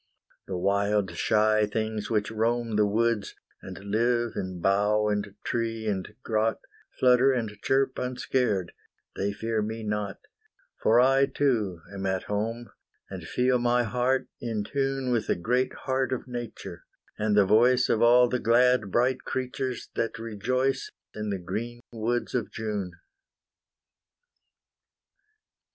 The wild shy things which roam The woods, and live in bough and tree and grot, Flutter and chirp unscared, they fear me not, For I too am at home. And feel my heart in tune With the great heart of Nature, and the voice Of all the glad bright creatures that rejoice In the green woods of June.